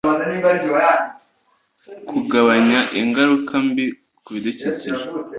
kugabanya ingaruka mbi ku bidukikije